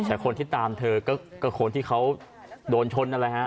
ใช่คนที่ตามเธอก็คนที่เขาโดนชน